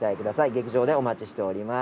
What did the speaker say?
劇場でお待ちしております。